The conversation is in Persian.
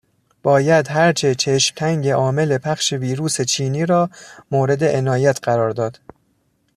باید هر چه چشم تنگ عامل پخش ویروس چینی را مورد عنایت قرار داد